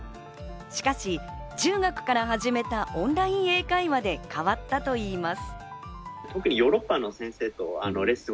しかし中学から始めたオンライン英会話で変わったといいます。